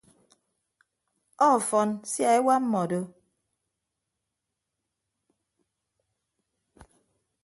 Ọfọn sia ewa mmọdo.